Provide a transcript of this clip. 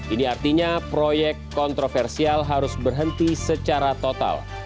ini artinya proyek kontroversial harus berhenti secara total